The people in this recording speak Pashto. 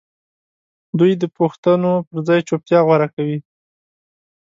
دوی د پوښتنو پر ځای چوپتيا غوره کوي.